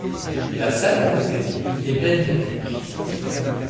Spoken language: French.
La salle d’à côté est pleine de piques.